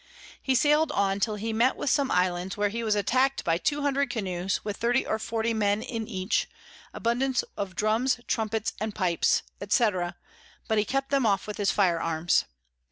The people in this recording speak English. He sail'd on till he met with some Islands, where he was attack'd by 200 Canoes with 30 or 40 Men in each, abundance of Drums, Trumpets, and Pipes, &c. but he kept them off with his Fire Arms.